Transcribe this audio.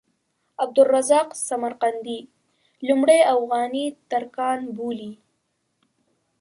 عبدالرزاق سمرقندي لومړی اوغاني ترکان بولي.